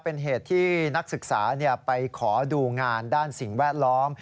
เป็นเหตุที่นักศึกษาไปขอดูงานด้านสิ่งแวดล้อม